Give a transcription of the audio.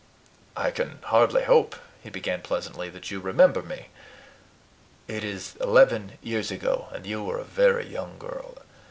"I can hardly hope," he began pleasantly, "that you remember me. It is eleven years ago, and you were a very little girl.